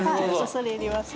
恐れ入ります。